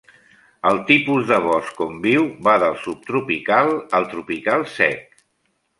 El tipus de bosc on viu, va del subtropical al tropical sec.